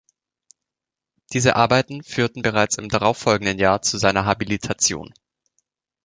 Diese Arbeiten führten bereits im darauffolgenden Jahr zu seiner Habilitation.